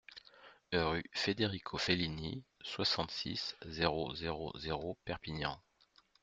Rue Federico Fellini, soixante-six, zéro zéro zéro Perpignan